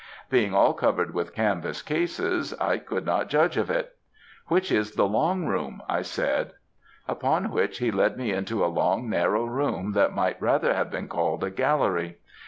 Being all covered with canvas cases, I could not judge of it. 'Which is the long room?' I said. "Upon which he led me into a long narrow room that might rather have been called a gallery.